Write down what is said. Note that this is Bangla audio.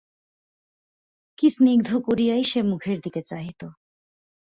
কী স্নিগ্ধ করিয়াই সে মুখের দিকে চাহিত।